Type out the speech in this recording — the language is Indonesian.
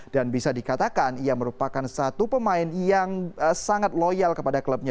dan bisa dikatakan ia merupakan satu pemain yang sangat loyal kepada klubnya